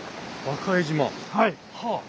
はい。